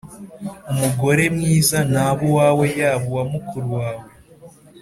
Umugore mwiza ntaba uwawe, yaba uwa mukuru wawe.